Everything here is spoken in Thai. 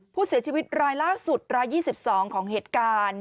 ผู้เสียชีวิตรายล่าสุดราย๒๒ของเหตุการณ์